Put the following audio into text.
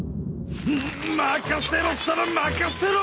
任せろったら任せろ！にににに！